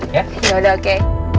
ya udah oke